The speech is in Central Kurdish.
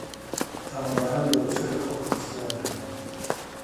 تاوانباران بە بەرچاوی خەڵکەوە سزادراون